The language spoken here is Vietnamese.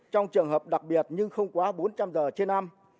trong trường hợp đặc biệt nhưng không quá bốn trăm linh giờ trên năm